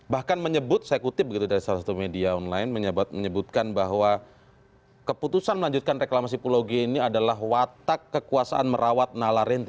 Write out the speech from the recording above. bahkan menyebut saya kutip dari salah satu media online menyebutkan bahwa keputusan melanjutkan reklamasi pulau g ini adalah watak kekuasaan merawat nala rente